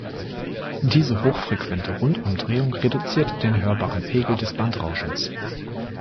Diese hochfrequente Rundumdrehung reduziert den hörbaren Pegel des Bandrauschens.